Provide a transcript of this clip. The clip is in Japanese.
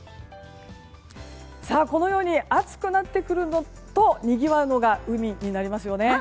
このように暑くなってくるとにぎわうのが海になりますよね。